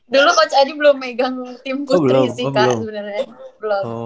dulu coach adi belum megang tim kutri sih kak